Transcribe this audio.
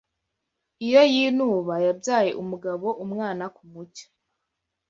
Iyo yinuba Yabyaye umugabo Umwana kumucyo